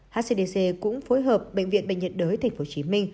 hcdc cũng phối hợp bệnh viện bệnh nhiệt đới tp hcm